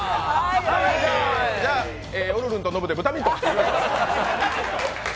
じゃあおるるんとノブでブタミントン。